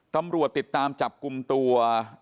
ตำรวจติดตามจับกลุ่มตัว